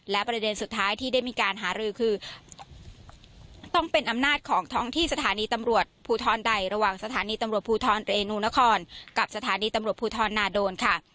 และประเด็นสุดท้ายที่ได้มีการหารือคือต้องเป็นอำนาจของท้องที่สถานีตำรวจภูทรใดระหว่างสถานีตำรวจภูทรเรนูนครกับสถานีตำรวจภูทรนาโดนค่ะ